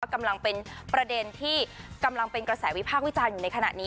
กำลังเป็นประเด็นที่กำลังเป็นกระแสวิพากษ์วิจารณ์อยู่ในขณะนี้